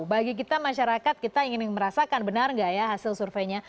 bagi kita masyarakat kita ingin merasakan benar nggak ya hasil surveinya